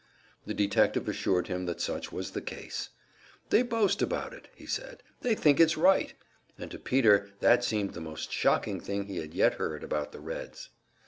The detective assured him that such was the case. "They boast about it," said he. "They think it's right." And to Peter that seemed the most shocking thing he had yet heard about the Reds.